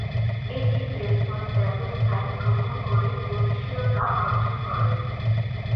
এটি রেলপথ ব্যবস্থায় ভ্রমণ করে গতিশীলতা অর্জন করে।